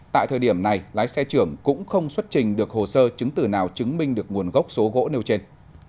tại thời điểm này lái xe trưởng cũng không xuất trình được hồ sơ chứng tử nào chứng minh được nguồn gốc số gỗ nêu trên